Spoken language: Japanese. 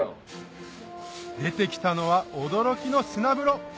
出てきたのは驚きの砂風呂！